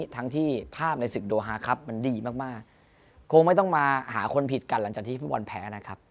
ทั้งที่ภาพในศึกโดฮาครับมันดีมากคงไม่ต้องมาหาคนผิดกันหลังจากที่ฟุตบอลแพ้นะครับ